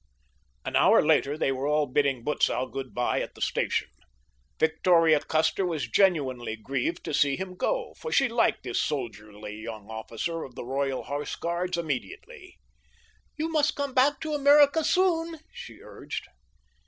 An hour later they were all bidding Butzow good bye at the station. Victoria Custer was genuinely grieved to see him go, for she liked this soldierly young officer of the Royal Horse Guards immensely. "You must come back to America soon," she urged.